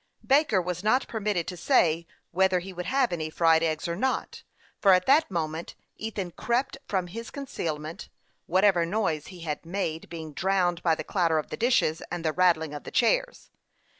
Baker was not permitted to say whether he would have any fried eggs or not, for at that moment Ethan crept from his concealment, whatever noise he made being drowned by the clatter of the dishes and the rattling of the chairs.